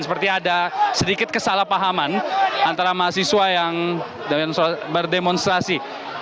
seperti ada sedikit kesalahpahaman antara mahasiswa yang berdemonstrasi